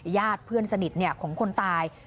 ญาติเพื่อนสนิทของคนตาย